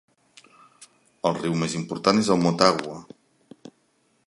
El riu més important és el Motagua.